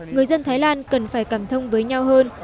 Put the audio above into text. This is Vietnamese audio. người dân thái lan cần phải cảm thông với nhau hơn